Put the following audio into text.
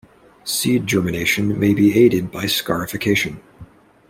Seed germination may be aided by scarification.